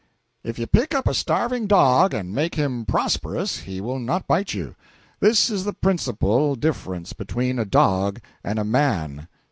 If you pick up a starving dog and make him prosperous, he will not bite you. This is the principal difference between a dog and a man.